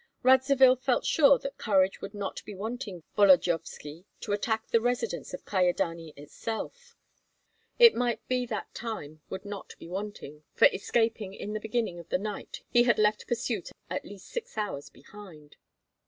Radzivill felt sure that courage would not be wanting Volodyovski to attack the residence of Kyedani itself. It might be that time would not be wanting, for escaping in the beginning of the night he had left pursuit at least six hours behind.